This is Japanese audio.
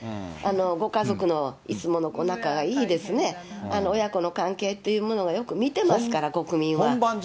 ご家族のいつもの仲がいい、親子の関係というものがよく見てますから、国民は。